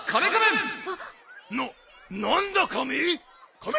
な何だカメ？